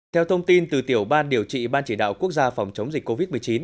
theo thông tin từ tiểu ban điều trị ban chỉ đạo quốc gia phòng chống dịch covid một mươi chín